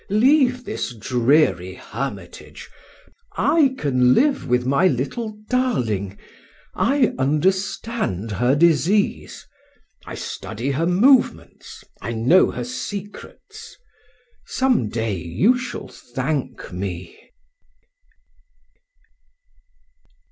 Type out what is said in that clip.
Leave this dreary hermitage; I can live with my little darling; I understand her disease; I study her movements; I know her secrets. Some day you shall thank me."